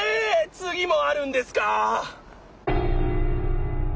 つぎもあるんですか？